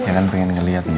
ya kan pengen ngeliat nih